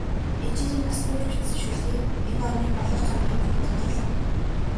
Ижийдээ нас гуйж бичсэн шүлгээр энэ оны "Болор цом"-ын эзнээр тодорлоо.